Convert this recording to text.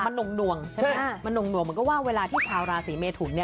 มันหน่วงเหมือนกับเวลาที่ชาวราศีเมทุน